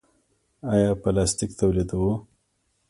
آیا پلاستیک تولیدوو؟